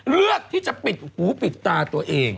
เลือกที่จะปิดหูปิดตาตัวเอง